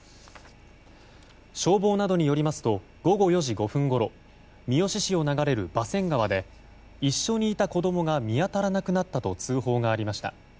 消防などによりますと午後４時５分ごろ三次市を流れる馬洗川で一緒にいた子供が見当たらなくなったと通報がありました。